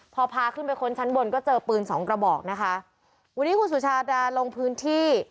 พอพาขึ้นไปค้นชั้นบนก็เจอปืนสองกระบอกนะคะวันนี้คุณสุชาดาลงพื้นที่